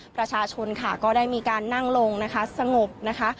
ประชาชนค่ะก็ได้มีการนั่งลงนะคะสงบนะคะ